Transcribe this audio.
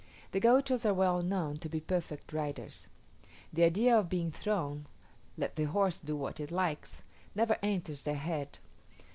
The Gauchos are well known to be perfect riders. The idea of being thrown, let the horse do what it likes; never enters their head.